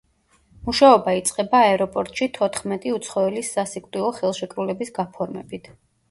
მუშაობა იწყება აეროპორტში თოთხმეტი უცხოელის სასიკვდილო ხელშეკრულების გაფორმებით.